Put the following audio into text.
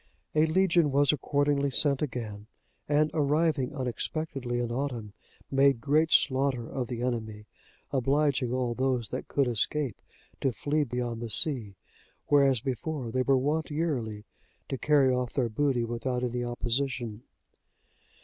A legion was accordingly sent again, and, arriving unexpectedly in autumn, made great slaughter of the enemy, obliging all those that could escape, to flee beyond the sea; whereas before, they were wont yearly to carry off their booty without any opposition.